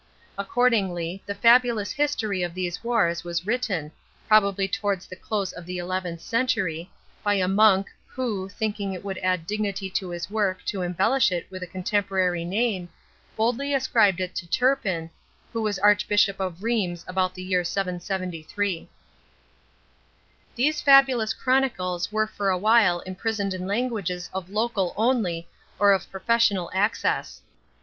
Accordingly, the fabulous history of these wars was written, probably towards the close of the eleventh century, by a monk, who, thinking it would add dignity to his work to embellish it with a contemporary name, boldly ascribed it to Turpin, who was Archbishop of Rheims about the year 773. These fabulous chronicles were for a while imprisoned in languages of local only or of professional access.